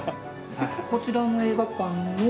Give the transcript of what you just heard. こちらの映画館の？